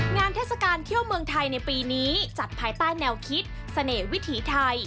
เทศกาลเที่ยวเมืองไทยในปีนี้จัดภายใต้แนวคิดเสน่ห์วิถีไทย